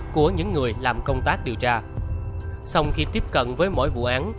của những người làm công tác điều tra xong khi tiếp cận với mỗi vụ án